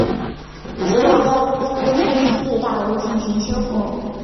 随后该公司出资对大楼进行修复。